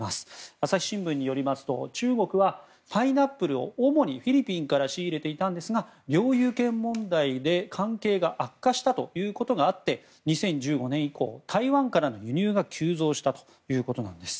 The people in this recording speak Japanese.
朝日新聞によりますと中国はパイナップルを主にフィリピンから仕入れていたんですが領有権問題で関係が悪化したということがあって２０１５年以降、台湾からの輸入が急増したということです。